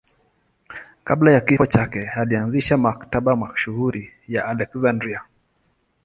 Kabla ya kifo chake alianzisha Maktaba mashuhuri ya Aleksandria.